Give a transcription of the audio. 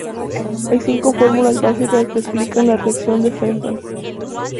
Hay cinco fórmulas básicas que explican la Reacción de Fenton.